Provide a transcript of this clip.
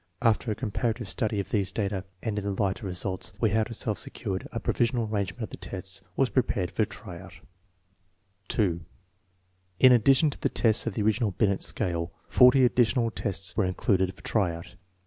After a comparative study of these data, and in the light of results we had ourselves secured, a provisional arrangement of the tests was prepared for try out, 2. In addition to the tests of the original Binet scale, 40 additional tests were included for try out.